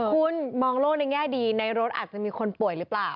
คุณมองโลกในแง่ดีในรถอาจจะมีคนป่วยหรือเปล่า